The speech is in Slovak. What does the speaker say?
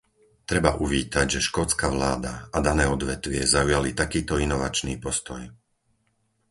Treba uvítať, že škótska vláda a dané odvetvie zaujali takýto inovačný postoj.